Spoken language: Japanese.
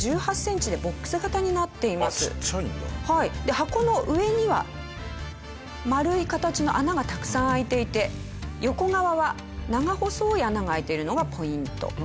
箱の上には丸い形の穴がたくさん開いていて横側は長細い穴が開いているのがポイント。